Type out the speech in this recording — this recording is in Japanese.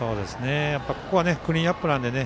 ここはクリーンアップなんでね。